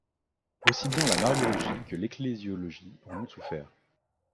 Aussi bien la mariologie que l'ecclésiologie en ont souffert.